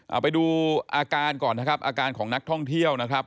เอาไปดูอาการก่อนนะครับอาการของนักท่องเที่ยวนะครับ